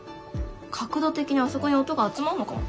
角度的にあそこに音が集まるのかも。